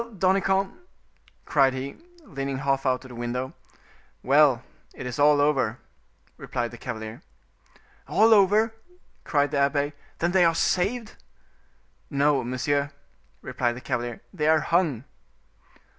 Danicamp?" cried he, leaning half out of the window. "Well, it is all over," replied the cavalier. "All over!" cried the abbe. "Then they are saved?" "No, monsieur," replied the cavalier, "they are hung."